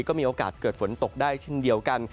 ก็มีโอกาสเกิดฝนตกได้เช่นเดียวกัน